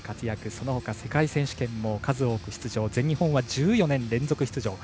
そのほか、世界選手権も出場して全日本は１４年連続出場。